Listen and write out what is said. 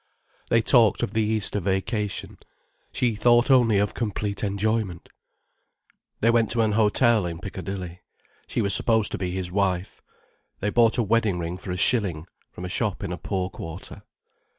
They talked of the Easter vacation. She thought only of complete enjoyment. They went to an hotel in Piccadilly. She was supposed to be his wife. They bought a wedding ring for a shilling, from a shop in a poor quarter.